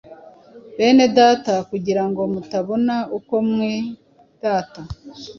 Bene Data, kugira ngo mutabona uko mwirata,